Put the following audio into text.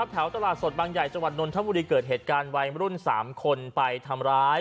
ตลาดสดบางใหญ่จังหวัดนนทบุรีเกิดเหตุการณ์วัยรุ่น๓คนไปทำร้าย